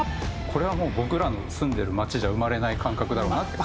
これはもう僕らの住んでる街じゃ生まれない感覚だろうなって。